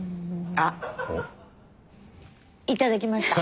あっいただきました。